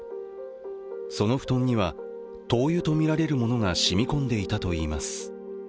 その布団には灯油とみられるものが染み込んでいたといいます。